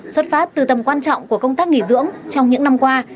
xuất phát từ tầm quan trọng của công tác nghỉ dưỡng trong những năm qua